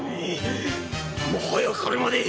もはやこれまで。